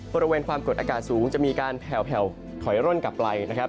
บริเวณความกดอากาศสูงจะมีการแผลวถอยร่นกลับไปนะครับ